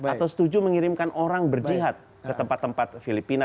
atau setuju mengirimkan orang berjihad ke tempat tempat filipina